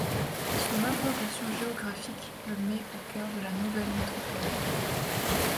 Son implantation géographique le met au cœur de la nouvelle métropole.